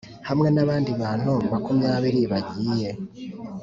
hamwe n’abandi bantu makumyabiri bagiye